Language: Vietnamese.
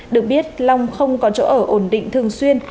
được biết long không có chỗ ở ổn định thường xuyên